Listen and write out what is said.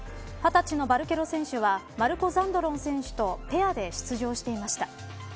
２０歳のバルケロ選手はマルコ・ザンドロン選手とペアで出場していました。